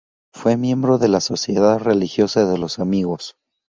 Fue miembro de la Sociedad Religiosa de los Amigos.